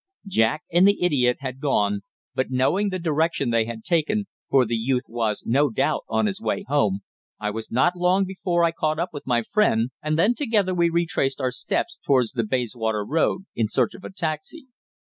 Jack and the idiot had gone, but, knowing the direction they had taken for the youth was, no doubt, on his way home I was not long before I caught up my friend, and then together we retraced our steps towards the Bayswater Road, in search of a taxi.